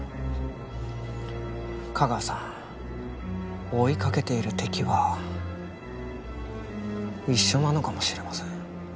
架川さん追いかけている敵は一緒なのかもしれません。